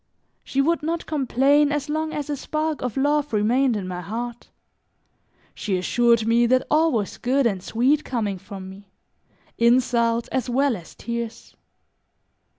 She would not complain as long as a spark of love remained in my heart; she assured me that all was good and sweet coming from me, insults, as well as tears.